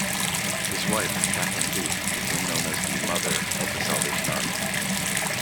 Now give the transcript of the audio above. His wife, Catherine Booth, became known as the "Mother" of The Salvation Army.